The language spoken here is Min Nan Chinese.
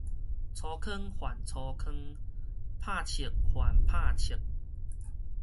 粗糠還粗糠，冇粟還冇粟